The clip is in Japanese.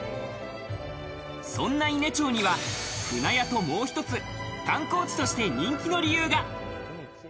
そんな伊根町には舟屋ともう一つ、観光地として人気の理由が。